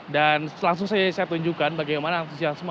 dan langsung saya tunjukkan bagaimana antusiasme